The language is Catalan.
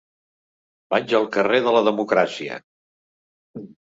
Vaig al carrer de la Democràcia.